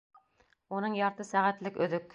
Уның ярты сәғәтлек өҙөк!